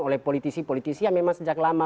oleh politisi politisi yang memang sejak lama